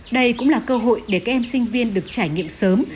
đây cũng là cơ hội để các em sinh viên được trải nghiệm sớm